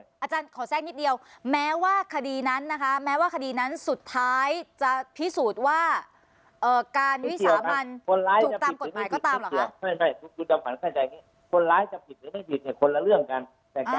เพราะฉะนั้นขอแทรกนิดเดียวแม้ว่าคดีนั้นนะคะสุดท้ายจะพิสูจน์ว่าการวิสาบัญจุดตามกฎภัยก็ตามเหรอครับ